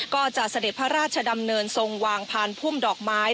ก็จะเสด็จพระราชดำเนินทรงวางพานพุ่มดอกไม้